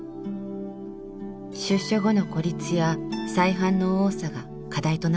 出所後の孤立や再犯の多さが課題となっていました。